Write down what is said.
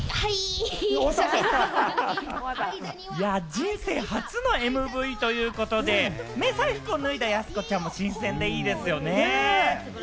人生初のＭＶということで、迷彩服を脱いだ、やす子ちゃんも新鮮でいいですよね。